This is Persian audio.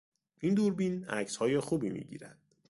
این دوربین عکسهای خوبی میگیرد.